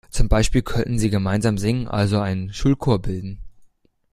Zum Beispiel könnten sie gemeinsam singen, also einen Schulchor bilden.